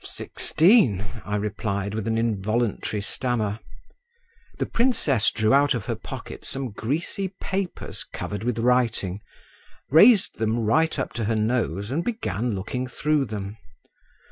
"Sixteen," I replied, with an involuntary stammer. The princess drew out of her pocket some greasy papers covered with writing, raised them right up to her nose, and began looking through them.